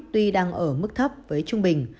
tuy đang ở mức thấp với trung bình